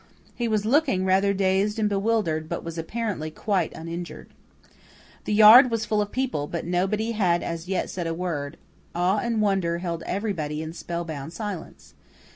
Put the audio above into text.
He was looking rather dazed and bewildered, but was apparently quite uninjured. The yard was full of people, but nobody had as yet said a word; awe and wonder held everybody in spellbound silence.